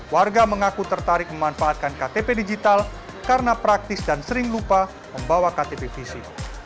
warga mengaku tertarik memanfaatkan ktp digital karena praktis dan sering lupa membawa ktp fisik